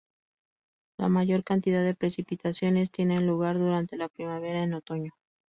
La mayor cantidad de precipitaciones tienen lugar durante la primavera y en otoño.